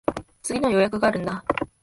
次の予約があるんだ。